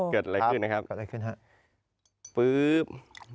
เกิดอะไรขึ้นนะครับ